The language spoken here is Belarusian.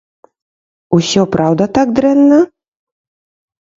Усё праўда так дрэнна?